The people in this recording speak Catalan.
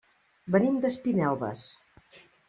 Venim d'Espinelves.